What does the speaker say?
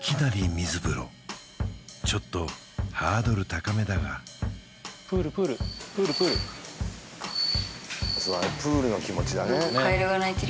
水風呂ちょっとハードル高めだがプールプールプールプールプールの気持ちだねねっ